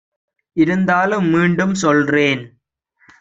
இருந்தாலும் மீண்டும் சொல்றேன்.